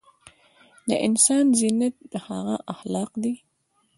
دانسان زينت دهغه اخلاق دي